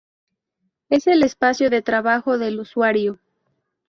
Es el espacio de trabajo del usuario.